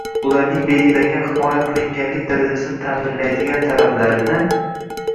ularning belgilangan himoya qilinganlik darajasini ta’minlaydigan talablarni;